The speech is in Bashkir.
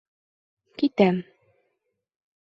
Китәм...